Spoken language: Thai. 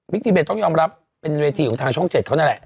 ทีเด็ดต้องยอมรับเป็นเวทีของทางช่อง๗เขานั่นแหละ